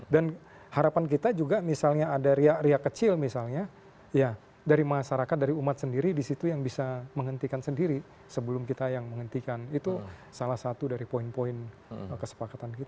dan harapan kita juga misalnya ada riak riak kecil misalnya ya dari masyarakat dari umat sendiri di situ yang bisa menghentikan sendiri sebelum kita yang menghentikan itu salah satu dari poin poin kesepakatan kita